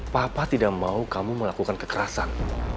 papa tidak mau kamu melakukan kekerasan